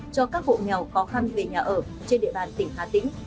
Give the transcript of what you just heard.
cho các hộ nghèo khó khăn về nhà ở trên địa bàn tỉnh hà tĩnh